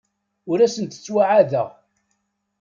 Ur asent-d-ttɛawadeɣ.